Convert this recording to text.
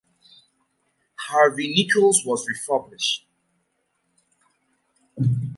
Harvey Nichols was refurbished.